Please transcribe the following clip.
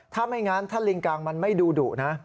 ถ้าไม่งั้นถ้าลิงกางมันไม่ดูดุนะ